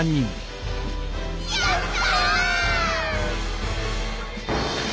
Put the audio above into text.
やった！